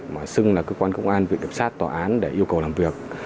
mà xưng là cơ quan công an vị tập sát tòa án để yêu cầu làm việc